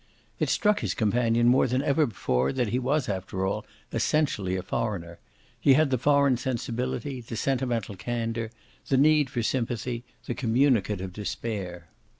It struck his companion more than ever before that he was after all essentially a foreigner; he had the foreign sensibility, the sentimental candour, the need for sympathy, the communicative despair.